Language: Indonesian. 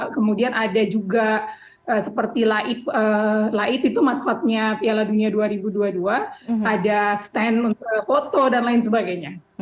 kemudian ada juga seperti laib itu maskotnya piala dunia dua ribu dua puluh dua ada stand foto dan lain sebagainya